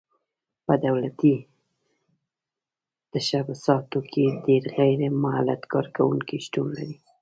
په دولتي تشبثاتو کې ډېر غیر مولد کارکوونکي شتون لري.